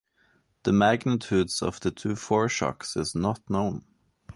The magnitudes of the two foreshocks is not known.